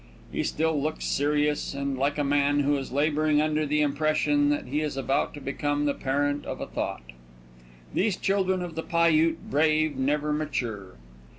He still looks serious, and like a man who is laboring under the impression that he is about to become the parent of a thought. These children of the Piute brave never mature.